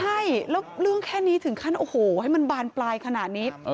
ใช่แล้วเรื่องแค่นี้ถึงขั้นโอ้โหให้มันบานปลายขนาดนี้